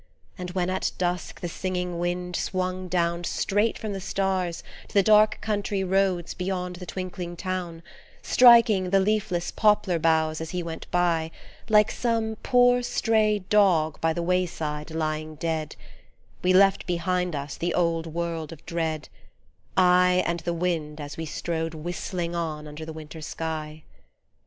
And when at dusk the singing wind swung down Straight from the stars to the dark country roads Beyond the twinkling town, Striking the leafless poplar boughs as he went by, Like some poor, stray dog by the wayside lying dead, We left behind us the old world of dread, I and the wind as we strode whistling on under the Winter sky.